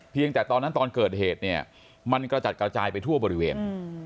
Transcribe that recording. แต่ตอนนั้นตอนเกิดเหตุเนี่ยมันกระจัดกระจายไปทั่วบริเวณ